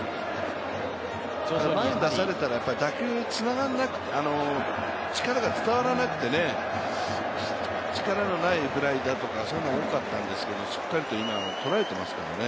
前に出されたら打球力が伝わらなくて、力のないフライだとか、そういうのが多かったんですけれども、しっかりと今、捉えていますからね。